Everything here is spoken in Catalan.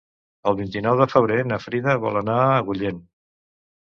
El vint-i-nou de febrer na Frida vol anar a Agullent.